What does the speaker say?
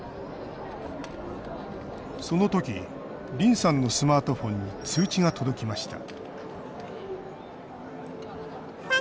その時りんさんのスマートフォンに通知が届きました